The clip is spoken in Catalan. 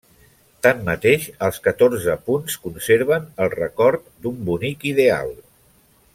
Tanmateix, els Catorze Punts conserven el record d'un bonic ideal.